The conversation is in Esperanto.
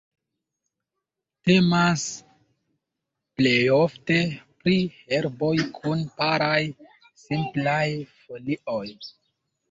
Temas plejofte pri herboj kun paraj, simplaj folioj.